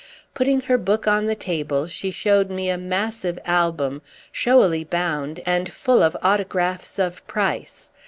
Putting her book on the table she showed me a massive album, showily bound and full of autographs of price.